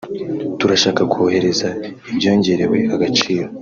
turashaka kohereza ibyongerewe agaciro